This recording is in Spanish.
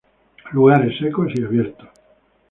Lugares secos y abiertos.